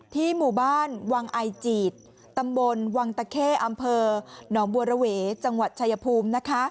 หมู่บ้านวังไอจีดตำบลวังตะเข้อำเภอหนองบัวระเวจังหวัดชายภูมินะคะ